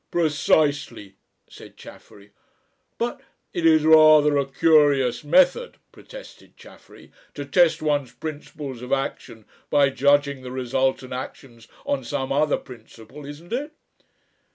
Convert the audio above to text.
"Precisely!" said Chaffery. "But " "It is rather a curious method," protested Chaffery; "to test one's principles of action by judging the resultant actions on some other principle, isn't it?"